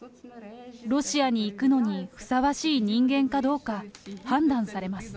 ロシアに行くのにふさわしい人間かどうか、判断されます。